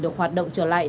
được hoạt động trở lại